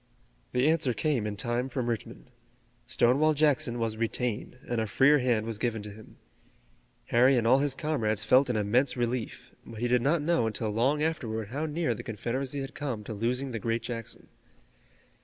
The answer came in time from Richmond. Stonewall Jackson was retained and a freer hand was given to him. Harry and all his comrades felt an immense relief, but he did not know until long afterward how near the Confederacy had come to losing the great Jackson.